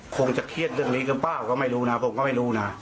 คงจะเครียดเรื่องนี้หรือเปล่าก็ไม่รู้นะผมก็ไม่รู้นะ